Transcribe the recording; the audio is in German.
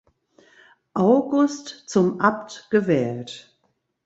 August zum Abt gewählt.